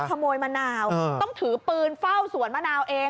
มะนาวต้องถือปืนเฝ้าสวนมะนาวเอง